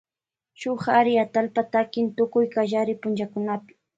Shuk kari atallpa takin tukuy kallari punllakunapi.